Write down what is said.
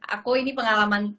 aku ini pengalaman